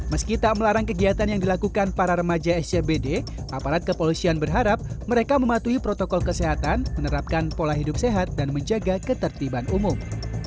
meski tak melarang kegiatan yang dilakukan para remaja scbd aparat kepolisian berharap mereka mematuhi protokol kesehatan menerapkan pola hidup sehat dan menjaga ketertiban umum